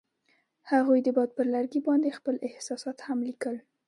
هغوی د باد پر لرګي باندې خپل احساسات هم لیکل.